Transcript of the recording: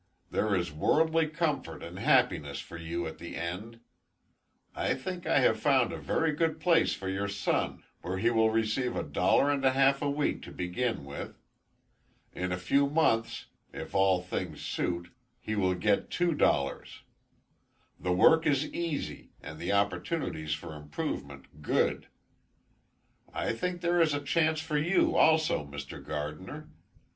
There is worldly comfort and happiness for you at the end. I think I have found a very good place for your son, where he will receive a dollar and a half a week to begin with. In a few months, if all things suit, he will get two dollars. The work is easy, and the opportunities for improvement good. I think there is a chance for you, also, Mr. Gardiner.